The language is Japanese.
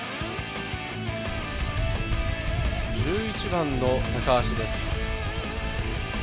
１１番の高橋です。